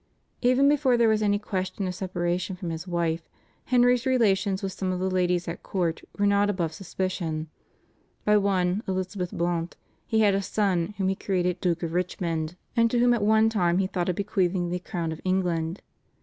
Even before there was any question of separation from his wife, Henry's relations with some of the ladies at court were not above suspicion. By one, Elizabeth Blount, he had a son whom he created Duke of Richmond and to whom at one time he thought of bequeathing the crown of England.